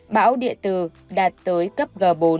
bão địa tử đạt tới cấp g bốn